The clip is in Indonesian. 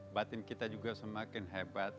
batin kita juga semakin hebat